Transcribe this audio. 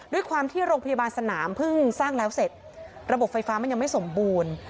ด้วยความที่โรงพยาบาลสนามเพิ่งสร้างแล้วเสร็จระบบไฟฟ้ามันยังไม่สมบูรณ์